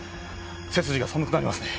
背筋が寒くなりますね。